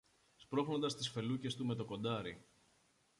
σπρώχνοντας τις φελούκες του με το κοντάρι.